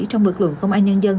trong lực lượng công an nhân dân